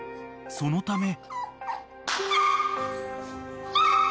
［そのため］